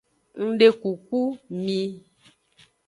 Ngdekuku mi.